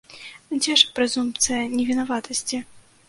Дзе ж прэзумпцыя невінаватасці?